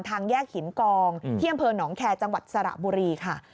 ทางแยกหินกองเที่ยงเพลิงหนองแคจังหวัดสระบุรีค่ะ